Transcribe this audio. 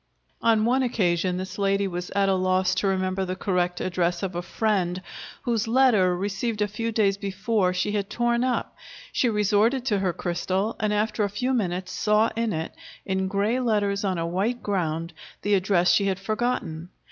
On one occasion this lady was at a loss to remember the correct address of a friend whose letter, received a few days before, she had torn up. She resorted to her crystal, and after a few minutes saw in it, in gray letters on a white ground, the address she had forgotten.